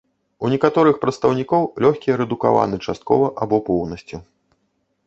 У некаторых прадстаўнікоў лёгкія рэдукаваны часткова або поўнасцю.